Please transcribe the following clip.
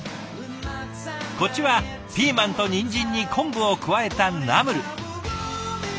こっちはピーマンとニンジンに昆布を加えたナムル。